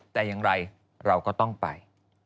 แต่อย่างไรเราก็ต้องไป